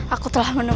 aku telah menemukan